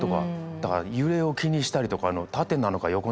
だから揺れを気にしたりとか縦なのか横なのかとか。